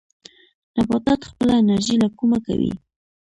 نباتات خپله انرژي له کومه کوي؟